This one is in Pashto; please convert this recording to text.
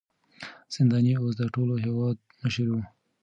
زنداني اوس د ټول هېواد مشر و.